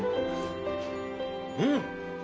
うん。